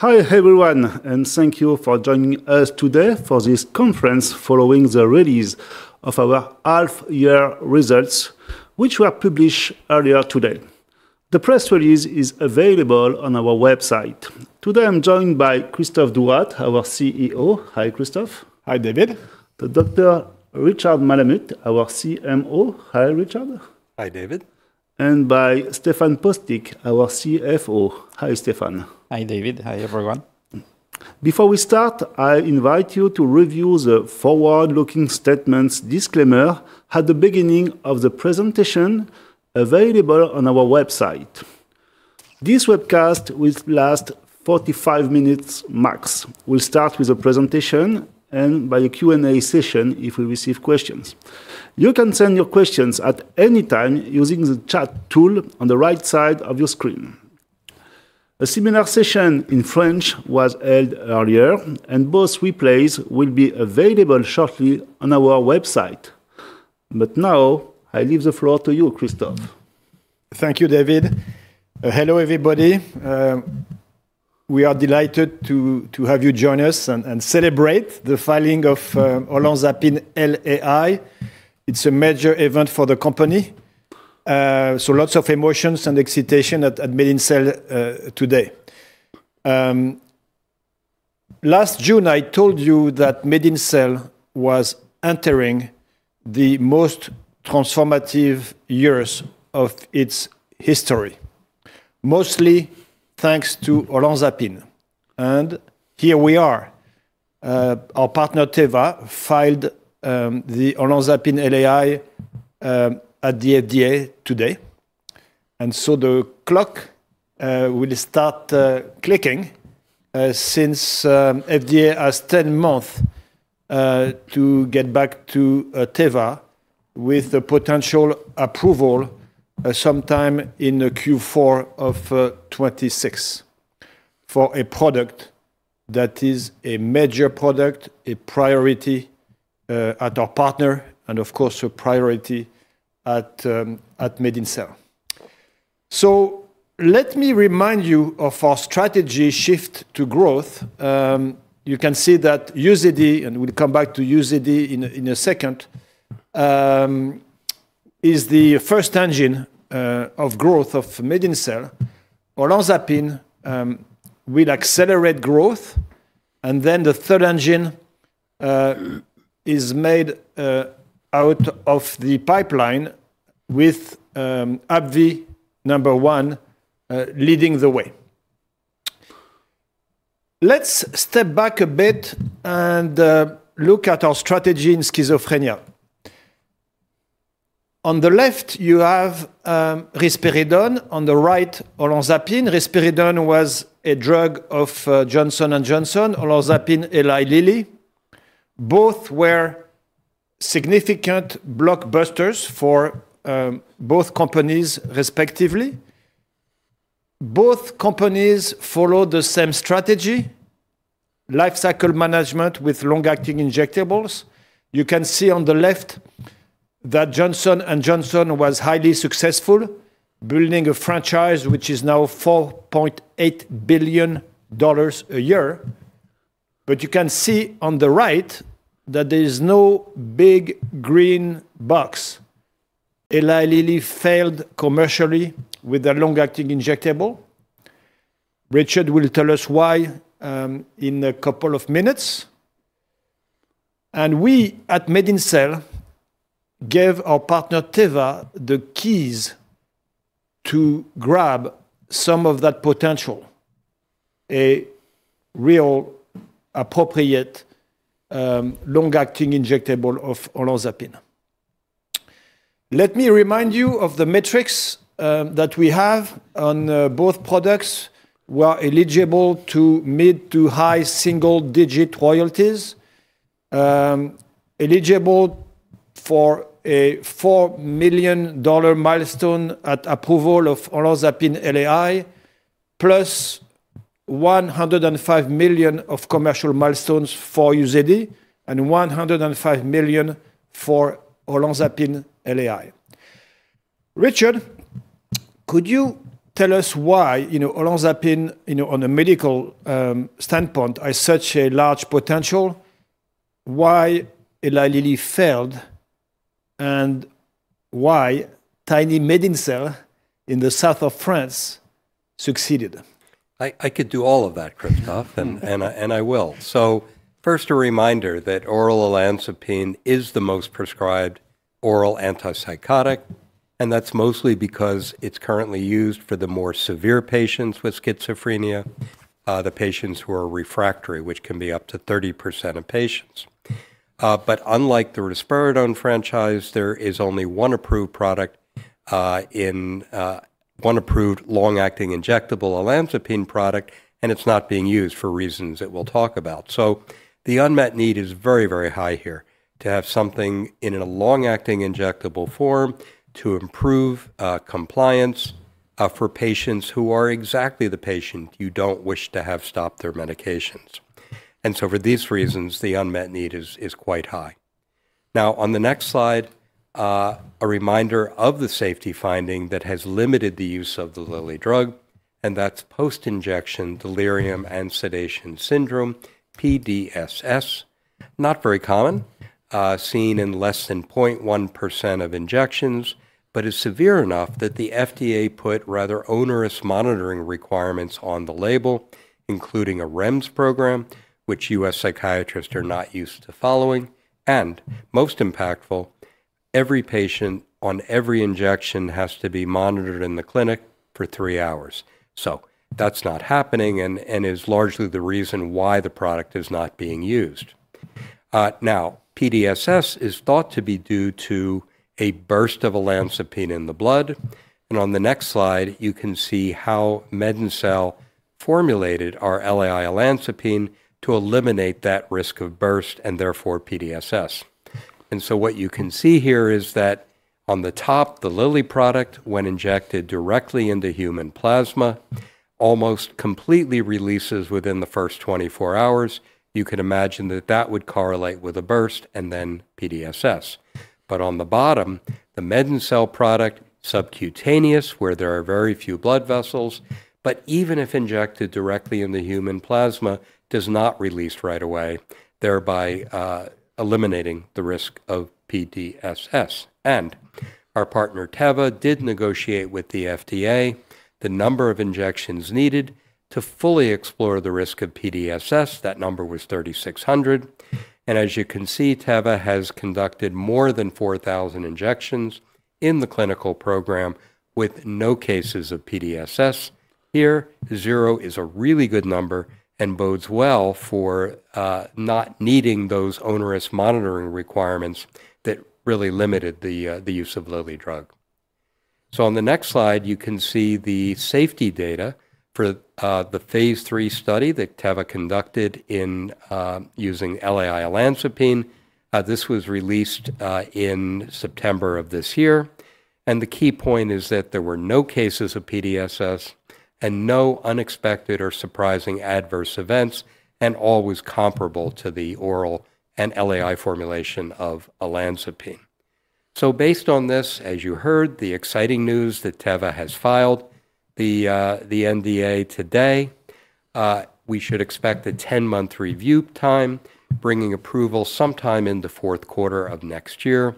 Hi everyone, and thank you for joining us today for this conference following the release of our half-year results, which were published earlier today. The press release is available on our website. Today I'm joined by Christophe Douat, our CEO. Hi, Christophe. Hi David. Dr. Richard Malamut, our CMO. Hi, Richard. Hi David. By Stéphane Postic, our CFO. Hi, Stéphane. Hi David. Hi everyone. Before we start, I invite you to review the forward-looking statements disclaimer at the beginning of the presentation available on our website. This webcast will last 45 minutes max. We'll start with a presentation and by a Q&A session if we receive questions. You can send your questions at any time using the chat tool on the right side of your screen. A similar session in French was held earlier, and both replays will be available shortly on our website, but now I leave the floor to you, Christophe. Thank you, David. Hello everybody. We are delighted to have you join us and celebrate the filing of olanzapine LAI. It's a major event for the company. So lots of emotions and excitement at MedinCell today. Last June, I told you that MedinCell was entering the most transformative years of its history, mostly thanks to olanzapine. And here we are. Our partner Teva filed the olanzapine LAI at the FDA today. And so the clock will start ticking since FDA has 10 months to get back to Teva with the potential approval sometime in Q4 of 2026 for a product that is a major product, a priority at our partner, and of course a priority at MedinCell. So let me remind you of our strategy shift to growth. You can see that UZEDY, and we'll come back to UZEDY in a second, is the first engine of growth of MedinCell. Olanzapine will accelerate growth. Then the third engine is made out of the pipeline with AbbVie number one leading the way. Let's step back a bit and look at our strategy in schizophrenia. On the left, you have risperidone. On the right, olanzapine. Risperidone was a drug of Johnson & Johnson. Olanzapine Eli Lilly. Both were significant blockbusters for both companies respectively. Both companies followed the same strategy, life cycle management with long-acting injectables. You can see on the left that Johnson & Johnson was highly successful, building a franchise which is now $4.8 billion a year. You can see on the right that there is no big green box. Eli Lilly failed commercially with a long-acting injectable. Richard will tell us why in a couple of minutes, and we at MedinCell gave our partner Teva the keys to grab some of that potential, a real appropriate long-acting injectable of olanzapine. Let me remind you of the metrics that we have on both products were eligible to mid- to high-single-digit royalties, eligible for a $4 million milestone at approval of olanzapine LAI, +$105 million of commercial milestones for UZEDY and $105 million for olanzapine LAI. Richard, could you tell us why, you know, olanzapine, you know, on a medical standpoint, has such a large potential? Why Eli Lilly failed and why tiny MedinCell in the south of France succeeded? I could do all of that, Christophe, and I will. First, a reminder that oral olanzapine is the most prescribed oral antipsychotic, and that's mostly because it's currently used for the more severe patients with schizophrenia, the patients who are refractory, which can be up to 30% of patients. But unlike the risperidone franchise, there is only one approved long-acting injectable olanzapine product, and it's not being used for reasons that we'll talk about. So the unmet need is very, very high here to have something in a long-acting injectable form to improve compliance for patients who are exactly the patient you don't wish to have stop their medications, and so for these reasons, the unmet need is quite high. Now, on the next slide, a reminder of the safety finding that has limited the use of the Lilly drug, and that's post-injection delirium and sedation syndrome, PDSS, not very common, seen in less than 0.1% of injections, but is severe enough that the FDA put rather onerous monitoring requirements on the label, including a REMS program, which U.S. psychiatrists are not used to following. And most impactful, every patient on every injection has to be monitored in the clinic for three hours. So that's not happening and is largely the reason why the product is not being used. Now, PDSS is thought to be due to a burst of olanzapine in the blood. And on the next slide, you can see how MedinCell formulated our LAI olanzapine to eliminate that risk of burst and therefore PDSS. What you can see here is that on the top, the Lilly product, when injected directly into human plasma, almost completely releases within the first 24 hours. You can imagine that that would correlate with a burst and then PDSS. But on the bottom, the MedinCell product, subcutaneous, where there are very few blood vessels, but even if injected directly in the human plasma, does not release right away, thereby eliminating the risk of PDSS. Our partner Teva did negotiate with the FDA the number of injections needed to fully explore the risk of PDSS. That number was 3,600. And as you can see, Teva has conducted more than 4,000 injections in the clinical program with no cases of PDSS. Here, zero is a really good number and bodes well for not needing those onerous monitoring requirements that really limited the use of Lilly drug. On the next slide, you can see the safety data for the phase 3 study that Teva conducted using LAI olanzapine. This was released in September of this year. The key point is that there were no cases of PDSS and no unexpected or surprising adverse events, and all was comparable to the oral and LAI formulation of olanzapine. Based on this, as you heard, the exciting news that Teva has filed the NDA today, we should expect a 10-month review time, bringing approval sometime in the fourth quarter of next year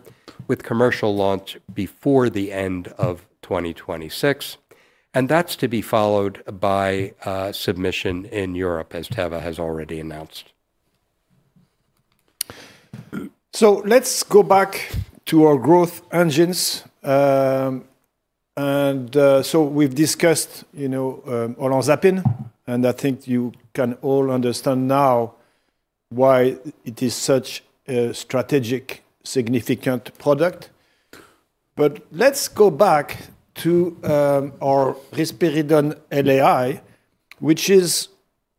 with commercial launch before the end of 2026. That's to be followed by submission in Europe, as Teva has already announced. Let's go back to our growth engines. We've discussed, you know, olanzapine, and I think you can all understand now why it is such a strategic, significant product. Let's go back to our risperidone LAI, which is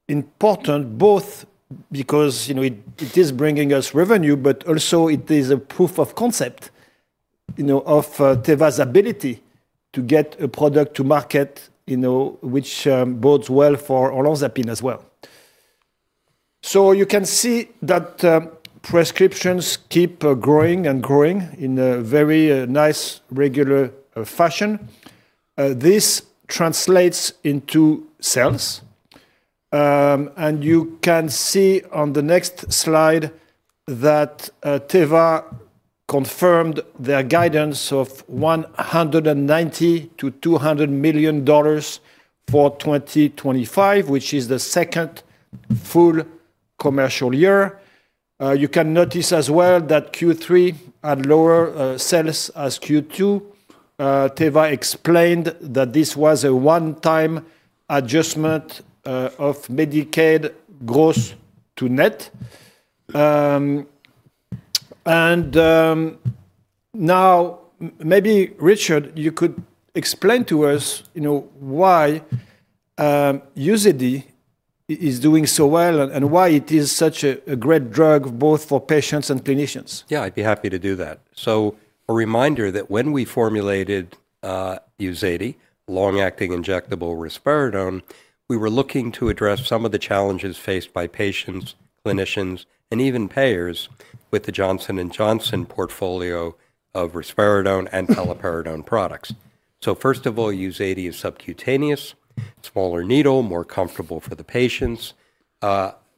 important both because, you know, it is bringing us revenue, but also it is a proof of concept, you know, of Teva's ability to get a product to market, you know, which bodes well for olanzapine as well. You can see that prescriptions keep growing and growing in a very nice regular fashion. This translates into sales. You can see on the next slide that Teva confirmed their guidance of $190 million-$200 million for 2025, which is the second full commercial year. You can notice as well that Q3 had lower sales as Q2. Teva explained that this was a one-time adjustment of Medicaid gross to net. And now maybe, Richard, you could explain to us, you know, why UZEDY is doing so well and why it is such a great drug both for patients and clinicians. Yeah, I'd be happy to do that. So a reminder that when we formulated UZEDY, long-acting injectable risperidone, we were looking to address some of the challenges faced by patients, clinicians, and even payers with the Johnson & Johnson portfolio of risperidone and paliperidone products. So first of all, UZEDY is subcutaneous, smaller needle, more comfortable for the patients,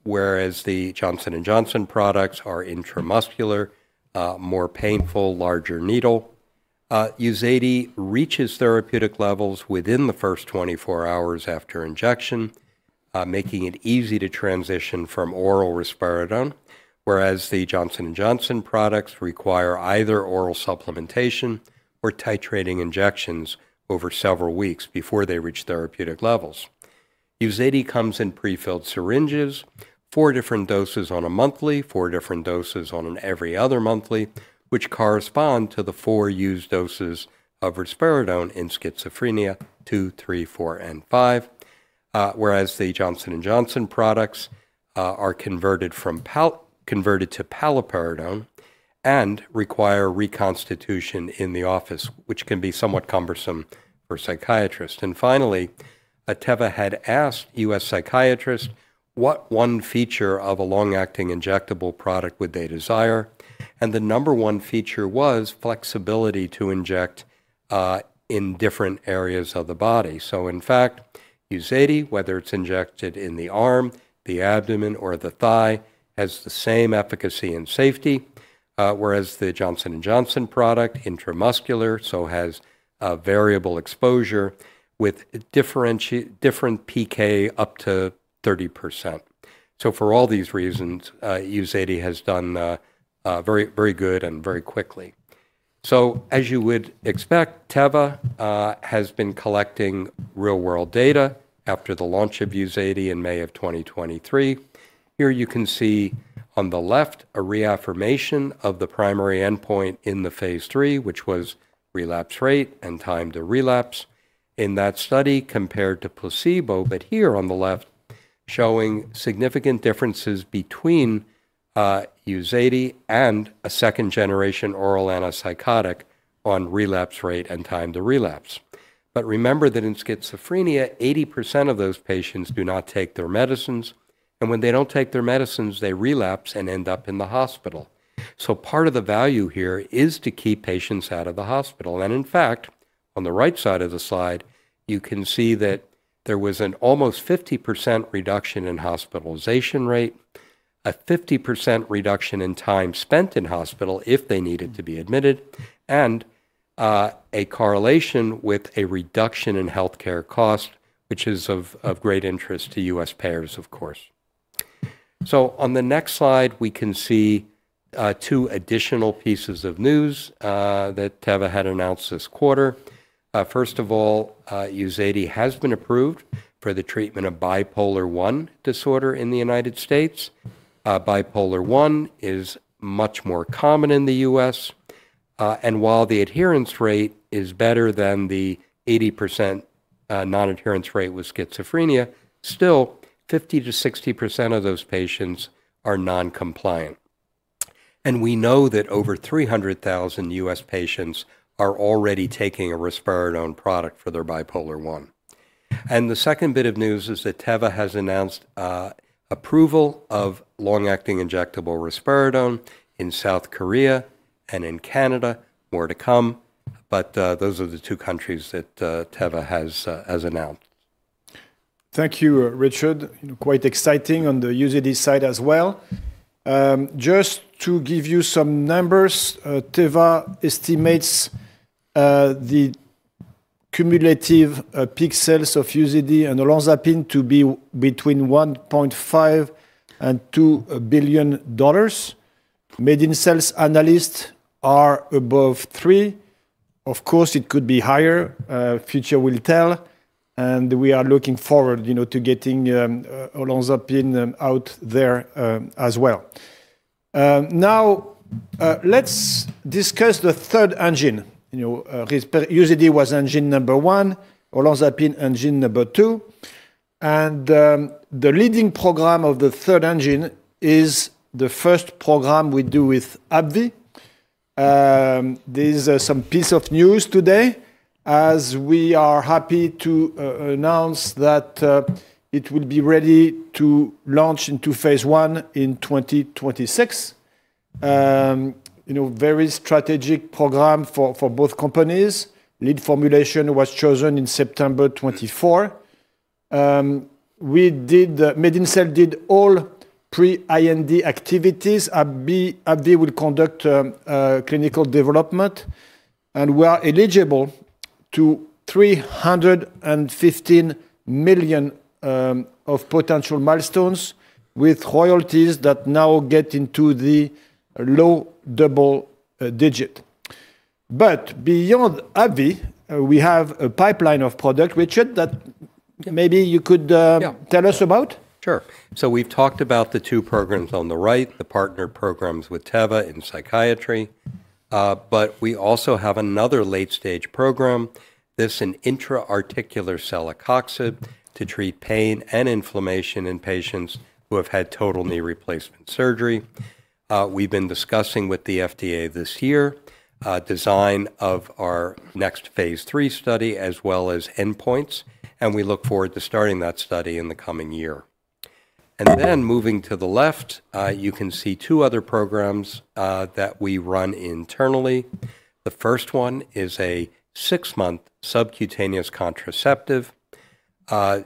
whereas the Johnson & Johnson products are intramuscular, more painful, larger needle. UZEDY reaches therapeutic levels within the first 24 hours after injection, making it easy to transition from oral risperidone, whereas the Johnson & Johnson products require either oral supplementation or titrating injections over several weeks before they reach therapeutic levels. UZEDY comes in prefilled syringes, four different doses on a monthly, four different doses on an every other monthly, which correspond to the four used doses of risperidone in schizophrenia, two, three, four, and five, whereas the Johnson & Johnson products are converted to paliperidone and require reconstitution in the office, which can be somewhat cumbersome for psychiatrists. And finally, Teva had asked U.S. psychiatrists what one feature of a long-acting injectable product would they desire. And the number one feature was flexibility to inject in different areas of the body. So in fact, UZEDY, whether it's injected in the arm, the abdomen, or the thigh, has the same efficacy and safety, whereas the Johnson & Johnson product, intramuscular, so has variable exposure with different PK up to 30%. So for all these reasons, UZEDY has done very, very good and very quickly. As you would expect, Teva has been collecting real-world data after the launch of UZEDY in May of 2023. Here you can see on the left a reaffirmation of the primary endpoint in the phase 3, which was relapse rate and time to relapse in that study compared to placebo, but here on the left showing significant differences between UZEDY and a second-generation oral antipsychotic on relapse rate and time to relapse. Remember that in schizophrenia, 80% of those patients do not take their medicines. When they don't take their medicines, they relapse and end up in the hospital. Part of the value here is to keep patients out of the hospital. In fact, on the right side of the slide, you can see that there was an almost 50% reduction in hospitalization rate, a 50% reduction in time spent in hospital if they needed to be admitted, and a correlation with a reduction in healthcare cost, which is of great interest to U.S. payers, of course. On the next slide, we can see two additional pieces of news that Teva had announced this quarter. First of all, UZEDY has been approved for the treatment of bipolar I disorder in the United States. Bipolar I is much more common in the U.S. While the adherence rate is better than the 80% non-adherence rate with schizophrenia, still 50%-60% of those patients are non-compliant. We know that over 300,000 U.S. patients are already taking a risperidone product for the bipolar I. The second bit of news is that Teva has announced approval of long-acting injectable risperidone in South Korea and in Canada, more to come. Those are the two countries that Teva has announced. Thank you, Richard. Quite exciting on the UZEDY side as well. Just to give you some numbers, Teva estimates the cumulative peak sales of UZEDY and olanzapine to be between $1.5 billion-$2 billion. MedinCell analysts are above three. Of course, it could be higher. Future will tell, and we are looking forward, you know, to getting olanzapine out there as well. Now, let's discuss the third engine. UZEDY was engine number one, olanzapine engine number two, and the leading program of the third engine is the first program we do with AbbVie. There's some piece of news today as we are happy to announce that it will be ready to launch into phase 1 in 2026. You know, very strategic program for both companies. Lead formulation was chosen in September 2024. MedinCell did all pre-IND activities. AbbVie will conduct clinical development and we're eligible for $315 million of potential milestones with royalties that now get into the low double-digits. But beyond AbbVie, we have a pipeline of products, Richard, that maybe you could tell us about. Sure. So we've talked about the two programs on the right, the partner programs with Teva in psychiatry. But we also have another late-stage program. This is an intra-articular celecoxib to treat pain and inflammation in patients who have had total knee replacement surgery. We've been discussing with the FDA this year the design of our next phase 3 study as well as endpoints. And we look forward to starting that study in the coming year. And then moving to the left, you can see two other programs that we run internally. The first one is a six-month subcutaneous contraceptive to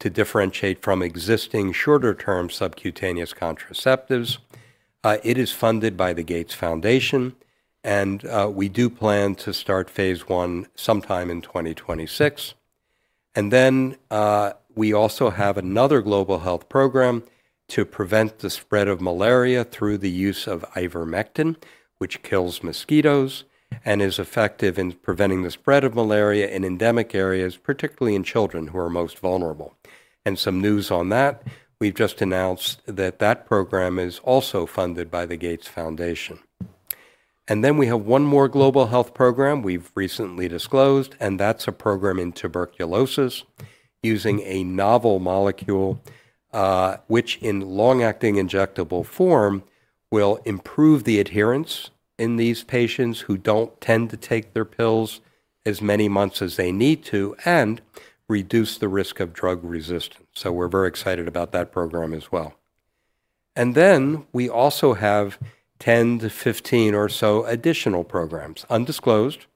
differentiate from existing shorter-term subcutaneous contraceptives. It is funded by the Gates Foundation. And we do plan to start phase 1 sometime in 2026. And then we also have another global health program to prevent the spread of malaria through the use of ivermectin, which kills mosquitoes and is effective in preventing the spread of malaria in endemic areas, particularly in children who are most vulnerable. And some news on that, we've just announced that that program is also funded by the Gates Foundation. And then we have one more global health program we've recently disclosed, and that's a program in tuberculosis using a novel molecule, which in long-acting injectable form will improve the adherence in these patients who don't tend to take their pills as many months as they need to and reduce the risk of drug resistance. So we're very excited about that program as well. And then we also have 10-15 or so additional programs undisclosed.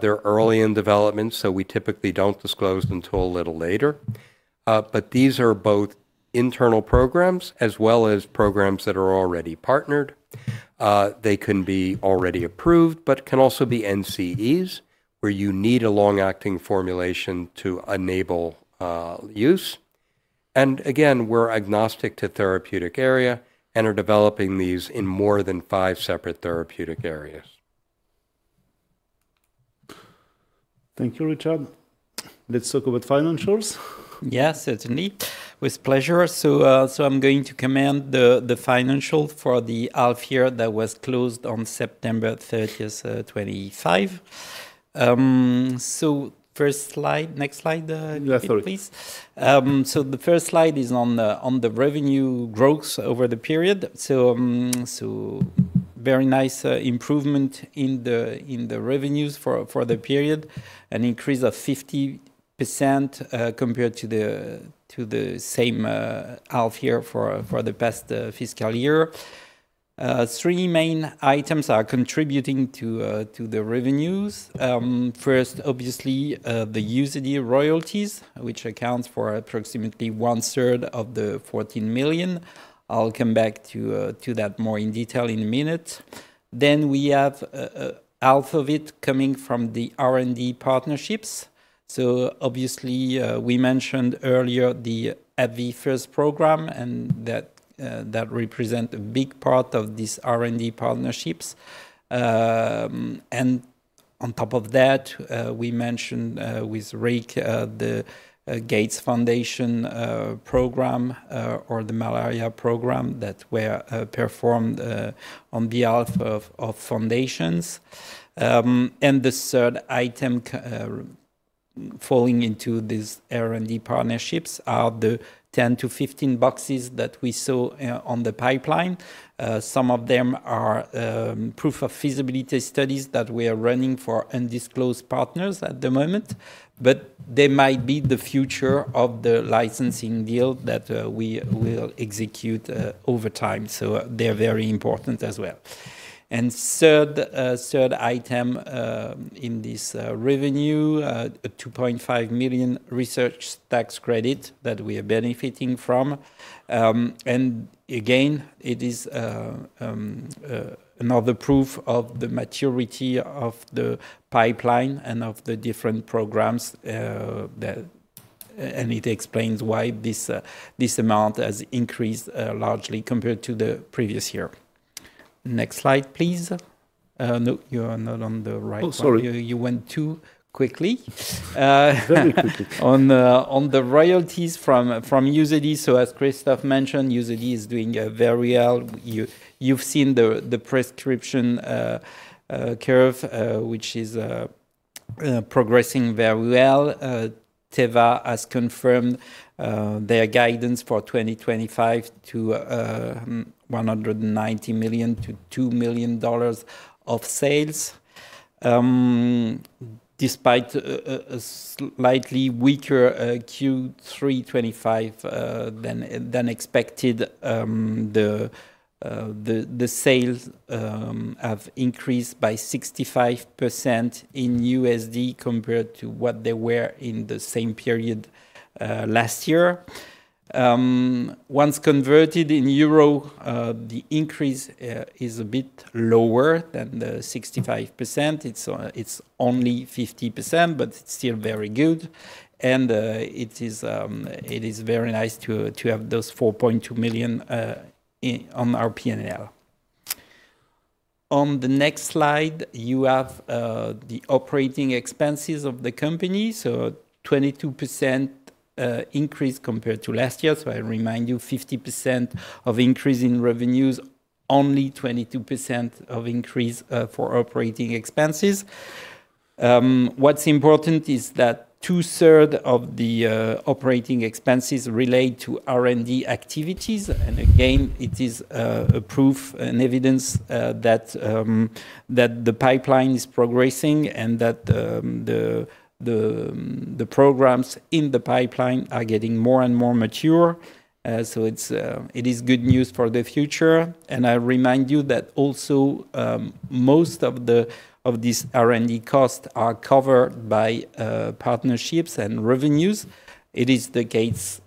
They're early in development, so we typically don't disclose until a little later. But these are both internal programs as well as programs that are already partnered. They can be already approved, but can also be NCEs where you need a long-acting formulation to enable use. And again, we're agnostic to therapeutic area and are developing these in more than five separate therapeutic areas. Thank you, Richard. Let's talk about financials. Yes, certainly. With pleasure. So I'm going to comment on the financials for the half year that was closed on September 30th, 2025. So first slide, next slide, please. Yeah, sorry. The first slide is on the revenue growth over the period. Very nice improvement in the revenues for the period, an increase of 50% compared to the same half year for the past fiscal year. Three main items are contributing to the revenues. First, obviously, the UZEDY royalties, which accounts for approximately one-third of the 14 million. I'll come back to that more in detail in a minute. Then we have half of it coming from the R&D partnerships. Obviously, we mentioned earlier the AbbVie first program, and that represents a big part of these R&D partnerships. On top of that, we mentioned with Rick the Gates Foundation program or the malaria program that were performed on behalf of foundations. The third item falling into these R&D partnerships are the 10-15 boxes that we saw on the pipeline. Some of them are proof of feasibility studies that we are running for undisclosed partners at the moment, but they might be the future of the licensing deal that we will execute over time. So they're very important as well. And third item in this revenue, 2.5 million research tax credit that we are benefiting from. And again, it is another proof of the maturity of the pipeline and of the different programs. And it explains why this amount has increased largely compared to the previous year. Next slide, please. No, you are not on the right. Oh, sorry. You went too quickly. Very quickly. On the royalties from UZEDY, so as Christophe mentioned, UZEDY is doing very well. You've seen the prescription curve, which is progressing very well. Teva has confirmed their guidance for 2025 to $190 millio-$2 million of sales. Despite a slightly weaker Q3 2025 than expected, the sales have increased by 65% in USD compared to what they were in the same period last year. Once converted in euro, the increase is a bit lower than the 65%. It's only 50%, but it's still very good. And it is very nice to have those 4.2 million on our P&L. On the next slide, you have the operating expenses of the company. So 22% increase compared to last year. So I remind you, 50% of increase in revenues, only 22% of increase for operating expenses. What's important is that two-thirds of the operating expenses relate to R&D activities. And again, it is a proof and evidence that the pipeline is progressing and that the programs in the pipeline are getting more and more mature. So it is good news for the future. And I remind you that also most of these R&D costs are covered by partnerships and revenues. It is the case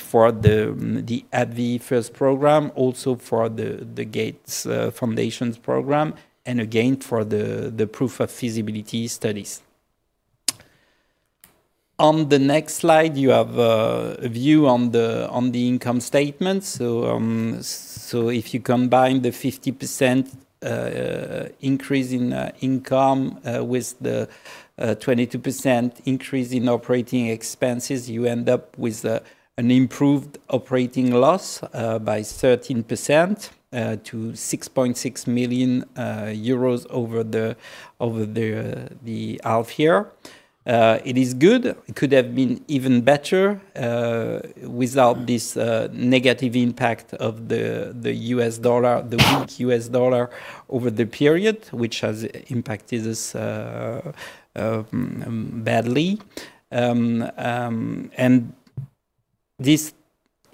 for the AbbVie's first program, also for the Gates Foundation's program, and again, for the proof of feasibility studies. On the next slide, you have a view on the income statements. So if you combine the 50% increase in income with the 22% increase in operating expenses, you end up with an improved operating loss by 13% to 6.6 million euros over the half year. It is good. It could have been even better without this negative impact of the U.S. dollar, the weak U.S. dollar over the period, which has impacted us badly.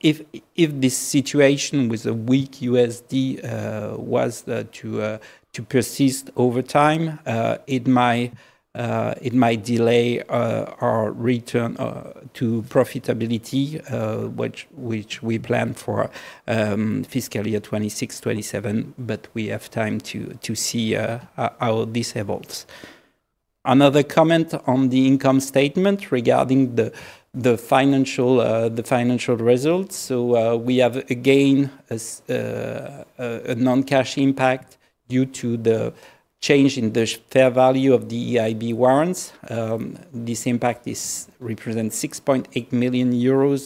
If this situation with a weak USD was to persist over time, it might delay our return to profitability, which we plan for Fiscal year 2026, 2027, but we have time to see how this evolves. Another comment on the income statement regarding the financial results. We have again a non-cash impact due to the change in the fair value of the EIB warrants. This impact represents 6.8 million euros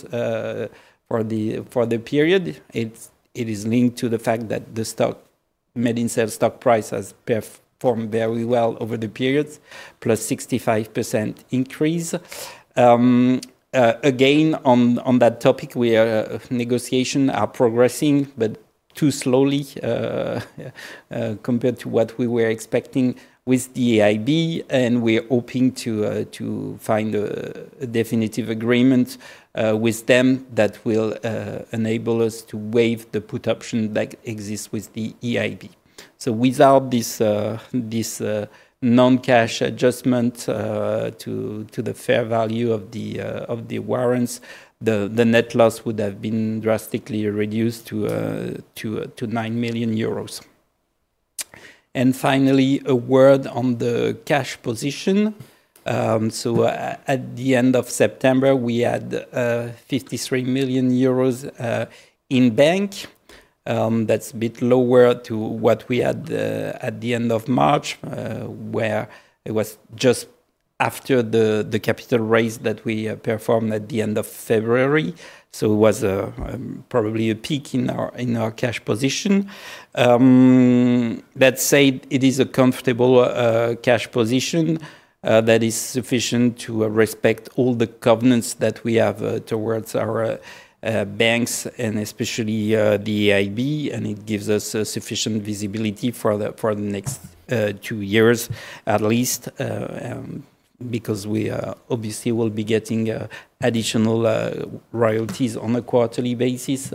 for the period. It is linked to the fact that the stock, MedinCell stock price has performed very well over the periods, plus 65% increase. Again, on that topic, our negotiations are progressing, but too slowly compared to what we were expecting with the EIB. We're hoping to find a definitive agreement with them that will enable us to waive the put option that exists with the EIB. Without this non-cash adjustment to the fair value of the warrants, the net loss would have been drastically reduced to 9 million euros. Finally, a word on the cash position. At the end of September, we had 53 million euros in bank. That's a bit lower to what we had at the end of March, where it was just after the capital raise that we performed at the end of February. It was probably a peak in our cash position. Let's say it is a comfortable cash position that is sufficient to respect all the covenants that we have towards our banks and especially the EIB. And it gives us sufficient visibility for the next two years at least, because we obviously will be getting additional royalties on a quarterly basis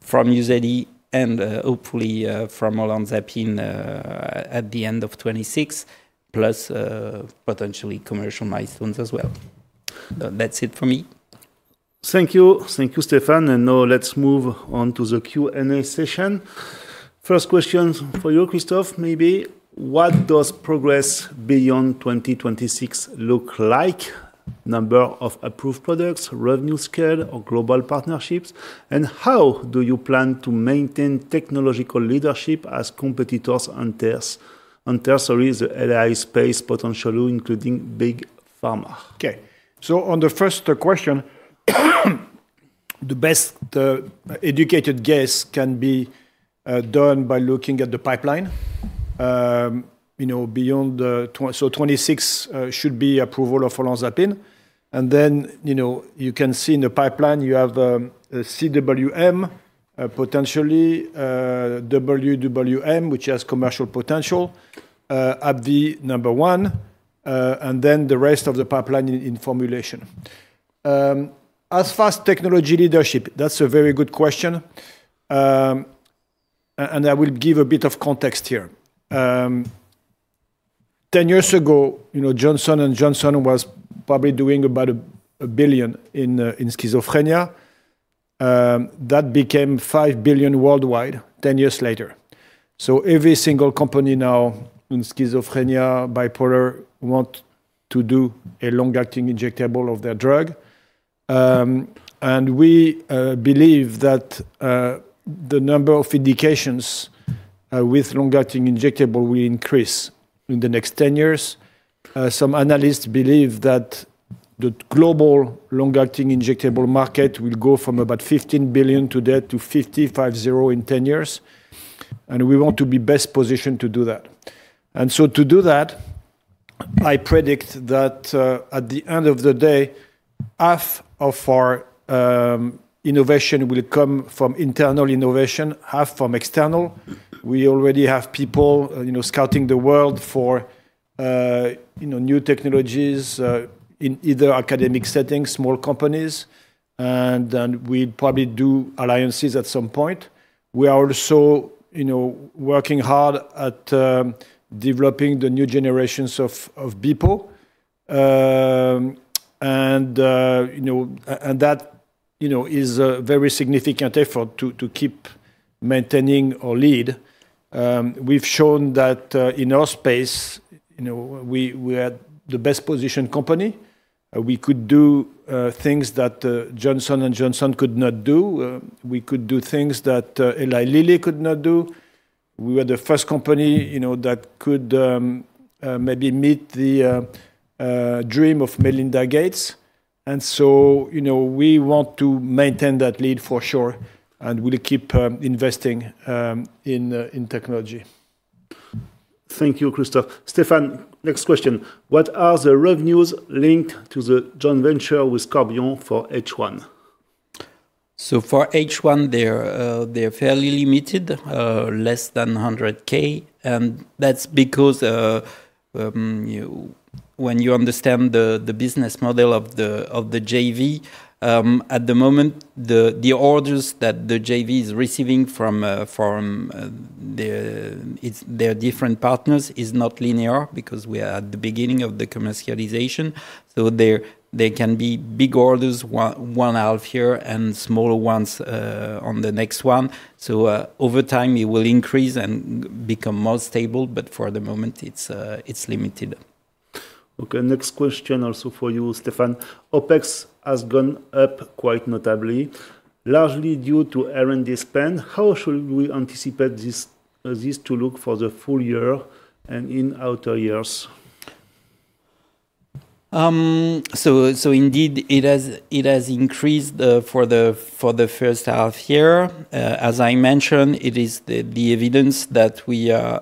from UZEDY and hopefully from olanzapine at the end of 2026, plus potentially commercial milestones as well. That's it for me. Thank you. Thank you, Stéphane. And now let's move on to the Q&A session. First question for you, Christophe, maybe. What does progress beyond 2026 look like? Number of approved products, revenue scale, or global partnerships? And how do you plan to maintain technological leadership as competitors in the LAI space, potentially including big pharma? Okay. So on the first question, the best educated guess can be done by looking at the pipeline. You know, 2026 should be approval of olanzapine. And then you can see in the pipeline, you have CWM, potentially WWM, which has commercial potential, AbbVie number one, and then the rest of the pipeline in formulation. As far as technology leadership, that's a very good question. And I will give a bit of context here. Ten years ago, Johnson & Johnson was probably doing about $1 billion in schizophrenia. That became $5 billion worldwide 10 years later. So every single company now in schizophrenia, bipolar want to do a long-acting injectable of their drug. And we believe that the number of indications with long-acting injectable will increase in the next 10 years. Some analysts believe that the global long-acting injectable market will go from about $15 billion today to $55 billion in 10 years. We want to be best positioned to do that. So to do that, I predict that at the end of the day, half of our innovation will come from internal innovation, half from external. We already have people scouting the world for new technologies in either academic settings or small companies. We'll probably do alliances at some point. We are also working hard at developing the new generations of BEPO. That is a very significant effort to keep maintaining our lead. We've shown that in our space, we are the best positioned company. We could do things that Johnson & Johnson could not do. We could do things that Eli Lilly could not do. We were the first company that could maybe meet the dream of Melinda Gates, and so we want to maintain that lead for sure and will keep investing in technology. Thank you, Christophe. Stéphane, next question. What are the revenues linked to the joint venture with Corbion for H1? So for H1, they're fairly limited, less than 100,000. And that's because when you understand the business model of the JV, at the moment, the orders that the JV is receiving from their different partners is not linear because we are at the beginning of the commercialization. So there can be big orders one half year and smaller ones on the next one. So over time, it will increase and become more stable. But for the moment, it's limited. Okay. Next question also for you, Stéphane. OpEx has gone up quite notably, largely due to R&D spend. How should we anticipate this to look for the full year and in outer years? So indeed, it has increased for the first half year. As I mentioned, it is the evidence that we are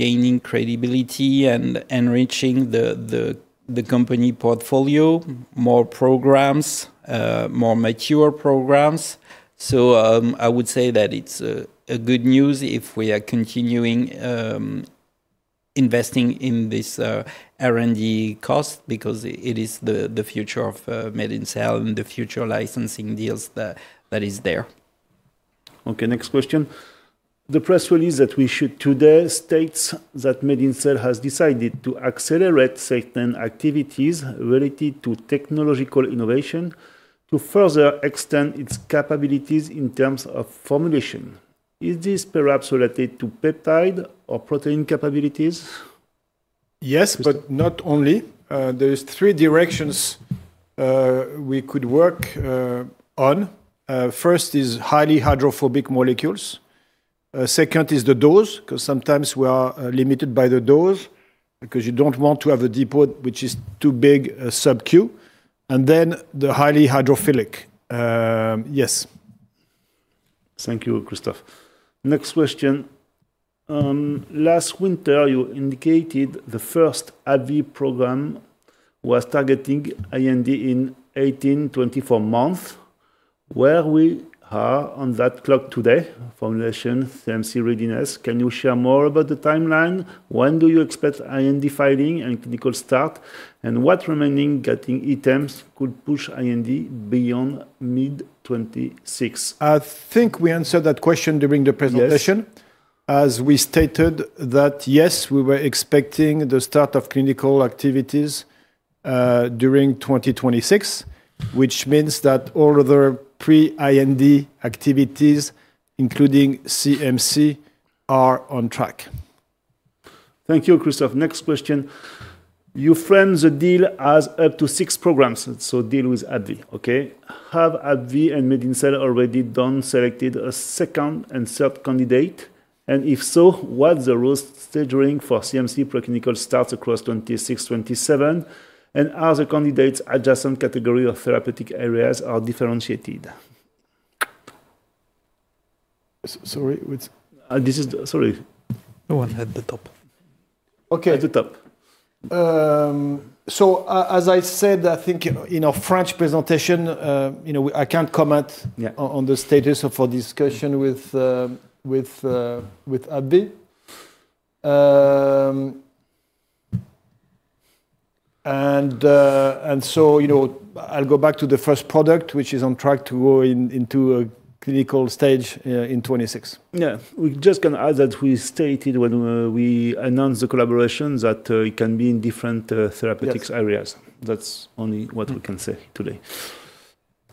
gaining credibility and enriching the company portfolio, more programs, more mature programs. So I would say that it's good news if we are continuing investing in this R&D cost because it is the future of MedinCell and the future licensing deals that is there. Okay. Next question. The press release that we issued today states that MedinCell has decided to accelerate certain activities related to technological innovation to further extend its capabilities in terms of formulation. Is this perhaps related to peptide or protein capabilities? Yes, but not only. There are three directions we could work on. First is highly hydrophobic molecules. Second is the dose because sometimes we are limited by the dose because you don't want to have a depot which is too big sub-Q. And then the highly hydrophilic. Yes. Thank you, Christophe. Next question. Last winter, you indicated the first AbbVie program was targeting IND in 18-24 months. Where are we on that clock today, formulation, CMC readiness, can you share more about the timeline? When do you expect IND filing and clinical start? And what remaining gating items could push IND beyond mid-2026? I think we answered that question during the presentation. As we stated that yes, we were expecting the start of clinical activities during 2026, which means that all other pre-IND activities, including CMC, are on track. Thank you, Christophe. Next question. Regarding the deal with AbbVie, which has up to six programs. Okay. Have AbbVie and MedinCell already selected a second and third candidate? And if so, what's the rollout staging for CMC pre-clinical starts across 2026, 2027? And are the candidates in adjacent categories of therapeutic areas or are they differentiated? Sorry? Sorry. No one at the top. Okay. At the top. So as I said, I think in a French presentation, I can't comment on the status of our discussion with AbbVie. And so I'll go back to the first product, which is on track to go into a clinical stage in 2026. Yeah. We just can add that we stated when we announced the collaboration that it can be in different therapeutic areas. That's only what we can say today.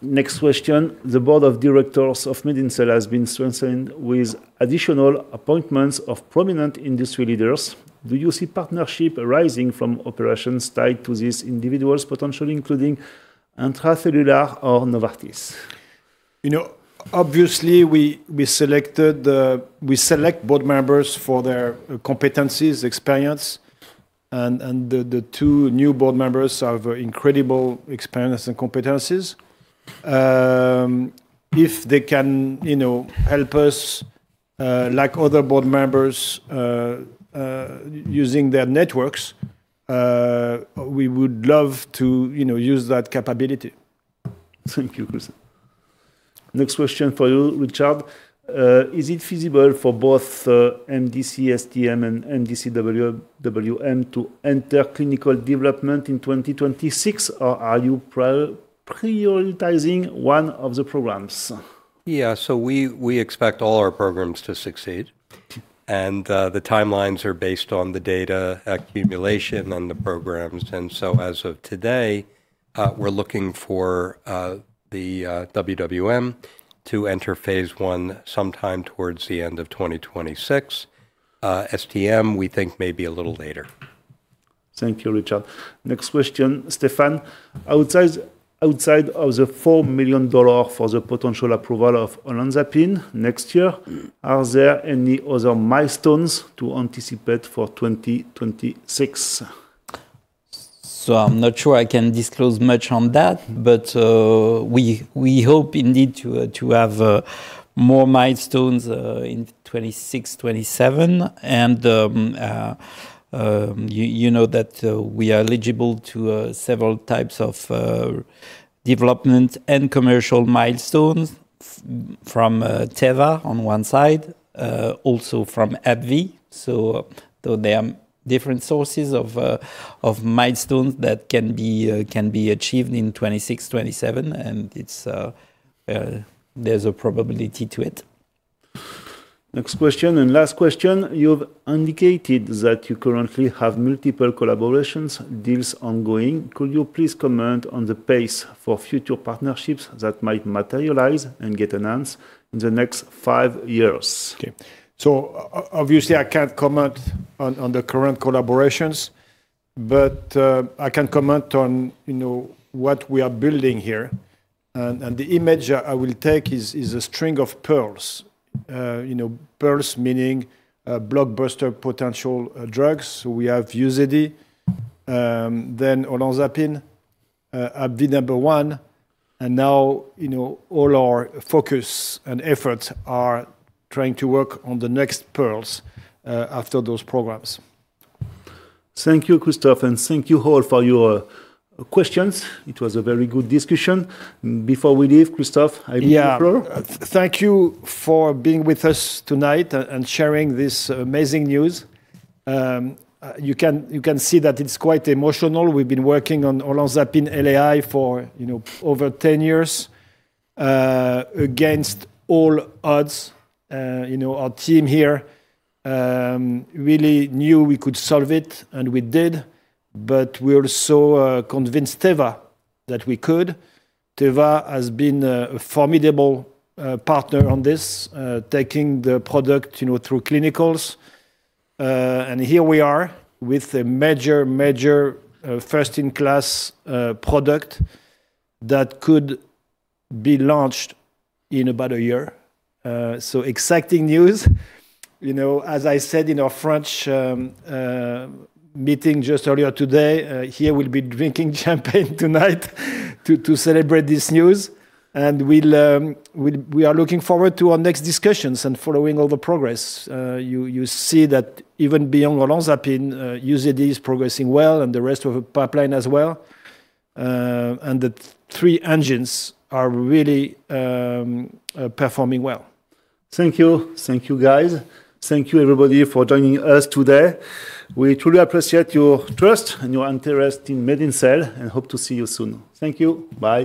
Next question. The Board of Directors of MedinCell has been strengthened with additional appointments of prominent industry leaders. Do you see partnership arising from operations tied to these individuals, potentially including Intra-Cellular or Novartis? Obviously, we select board members for their competencies, experience and the two new board members have incredible experience and competencies. If they can help us, like other board members, using their networks, we would love to use that capability. Thank you, Christophe. Next question for you, Richard. Is it feasible for both mdc-STM and mdc-WWM to enter clinical development in 2026, or are you prioritizing one of the programs? Yeah. So we expect all our programs to succeed. And the timelines are based on the data accumulation and the programs. And so as of today, we're looking for the WWM to enter phase 1 sometime towards the end of 2026. STM, we think maybe a little later. Thank you, Richard. Next question, Stéphane. Outside of the $4 million for the potential approval of olanzapine next year, are there any other milestones to anticipate for 2026? So I'm not sure I can disclose much on that, but we hope indeed to have more milestones in 2026, 2027. And you know that we are eligible to several types of development and commercial milestones from Teva on one side, also from AbbVie. So there are different sources of milestones that can be achieved in 2026, 2027. And there's a probability to it. Next question and last question. You've indicated that you currently have multiple collaborations, deals ongoing. Could you please comment on the pace for future partnerships that might materialize and get announced in the next five years? Okay. So obviously, I can't comment on the current collaborations, but I can comment on what we are building here. And the image I will take is a string of pearls. Pearls meaning blockbuster potential drugs. So we have UZEYD, then olanzapine, AbbVie number one. And now all our focus and efforts are trying to work on the next pearls after those programs. Thank you, Christophe. And thank you all for your questions. It was a very good discussion. Before we leave, Christophe, you'll conclude. Yeah. Thank you for being with us tonight and sharing this amazing news. You can see that it's quite emotional. We've been working on olanzapine LAI for over 10 years. Against all odds, our team here really knew we could solve it. And we did. But we also convinced Teva that we could. Teva has been a formidable partner on this, taking the product through clinicals. And here we are with a major, major first-in-class product that could be launched in about a year. So exciting news. As I said in our French meeting just earlier today, here we'll be drinking champagne tonight to celebrate this news. And we are looking forward to our next discussions and following all the progress. You see that even beyond olanzapine, UZEDY is progressing well and the rest of the pipeline as well. And the three engines are really performing well. Thank you. Thank you, guys. Thank you, everybody, for joining us today. We truly appreciate your trust and your interest in MedinCell and hope to see you soon. Thank you. Bye.